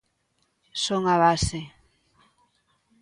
Son a base.